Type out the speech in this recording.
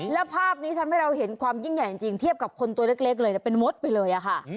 แล้วภาพนี้ทำให้เราเห็นความยิ่งใหญ่จริงเทียบกับคนตัวเล็กเลยเป็นมดไปเลยค่ะ